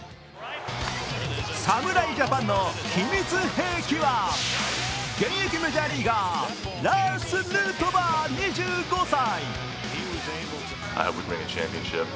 侍ジャパンの秘密兵器は現役メジャーリーガー、ラース・ヌートバー２５歳。